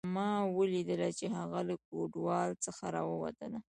ما ولیدله چې هغه له ګودال څخه راووتله